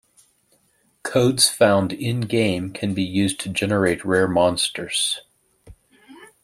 Codes found in-game can be used to generate rare monsters.